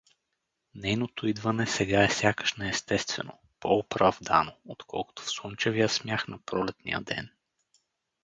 Нейното идване сега е сякаш неестествено, по-оправдано, отколкото в слънчевия смях на пролетния ден.